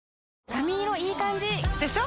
髪色いい感じ！でしょ？